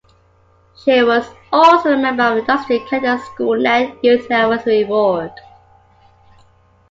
She was also a member of Industry Canada's SchoolNet Youth Advisory Board.